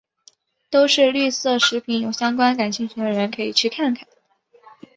都是绿色食品有相关感兴趣的人可以去看看。